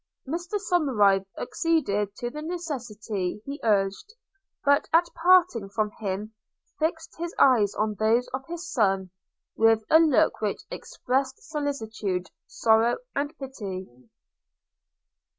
Mr. Somerive acceded to the necessity he urged; but at parting from him, fixed his eyes on those of his son, with a look which expressed solicitude, sorrow, and pity.